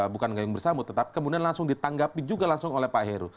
bukan gayung bersambut tetapi kemudian langsung ditanggapi juga langsung oleh pak heru